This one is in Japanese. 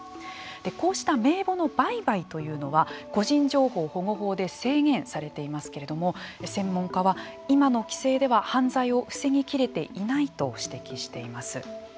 こうした名簿の売買というのは個人情報保護法で制限されていますけれども専門家は、今の規制では犯罪を防ぎきれていないと指摘しています。